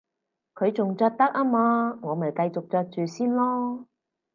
佢仲着得吖嘛，我咪繼續着住先囉